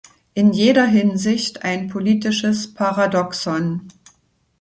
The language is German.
In jeder Hinsicht ein politisches Paradoxon.